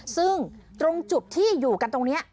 ซึ่งตรงจุดที่อยู่กันตรงนี้